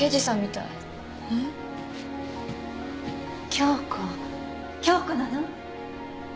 京子京子なの？